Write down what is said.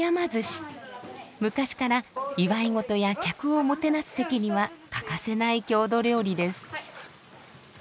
昔から祝い事や客をもてなす席には欠かせない郷土料理です。